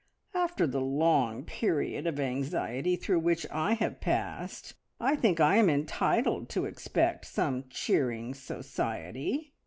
"After the long period of anxiety through which I have passed, I think I am entitled to expect some cheering society."